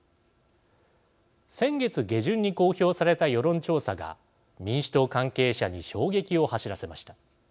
先月下旬に公表された世論調査が民主党関係者に衝撃を走らせました。